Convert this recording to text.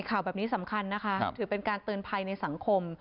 ข่าวแบบนี้สำคัญนะคะถือเป็นการเตือนภัยในสังคม